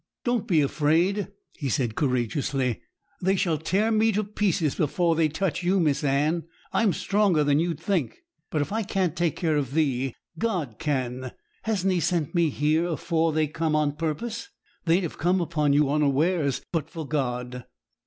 'Don't be afraid,' he said courageously; 'they shall tear me to pieces afore they touch you, Miss Anne. I'm stronger than you'd think; but if I can't take care of thee, God can. Hasn't He sent me here, afore they come, on purpose? They'd have come upon you unawares, but for God.'